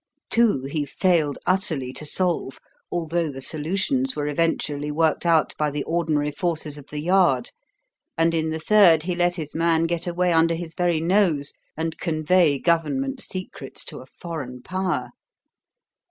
Two, he failed utterly to solve, although the solutions were eventually worked out by the ordinary forces of the Yard; and in the third he let his man get away under his very nose and convey Government secrets to a foreign Power.